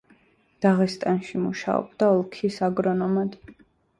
დაღესტანში მუშაობდა ოლქის აგრონომად.